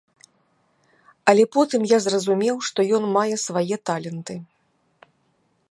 Але потым я зразумеў, што ён мае свае таленты.